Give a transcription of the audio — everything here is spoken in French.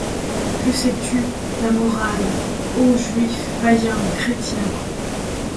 Que sais-tu ? Ta morale ; ô juif, payen, chrétien